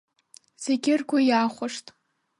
Зегьы ргәы иаахәашт.